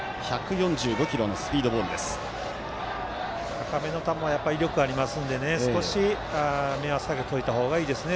高めの球はやっぱり威力ありますので少し目は下げといたほうがいいですね。